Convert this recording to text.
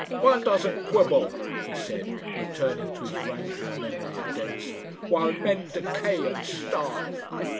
"One doesn't quibble," he said, returning to his rankling memory of Denson, "while men decay and starve."